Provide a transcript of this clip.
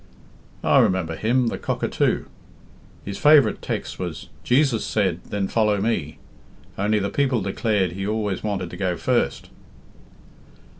"I remember him the Cockatoo. His favourite text was, 'Jesus said, then follow Me,' only the people declared he always wanted to go first."